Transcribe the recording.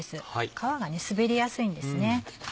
皮が滑りやすいんですね。